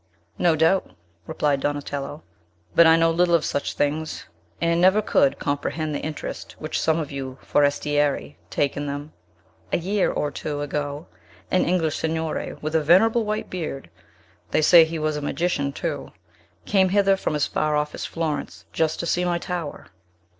"No doubt," replied Donatello, "but I know little of such things, and never could comprehend the interest which some of you Forestieri take in them. A year or two ago an English signore, with a venerable white beard they say he was a magician, too came hither from as far off as Florence, just to see my tower."